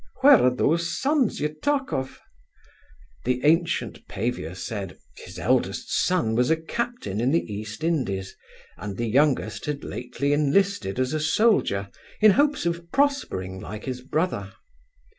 Where are those sons you talk of?' The ancient paviour said, his eldest son was a captain in the East Indies; and the youngest had lately inlisted as a soldier, in hopes of prospering like his brother.